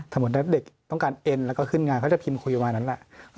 สมมุติถ้าเด็กต้องการเอ็นแล้วก็ขึ้นงานเขาจะพิมพ์คุยประมาณนั้นแหละ